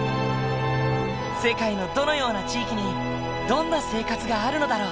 世界のどのような地域にどんな生活があるのだろう？